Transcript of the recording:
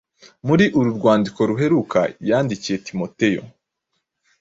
Muri uru rwandiko ruheruka yandikiye Timoteyo